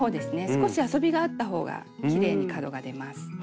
少し遊びがあったほうがきれいに角が出ます。